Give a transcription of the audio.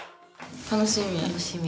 楽しみ。